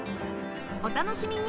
お楽しみに